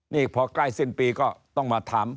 นี่พอใกล้สิ้นปีก็ต้องมาถาม